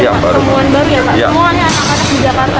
iya baru semua anak anak di jakarta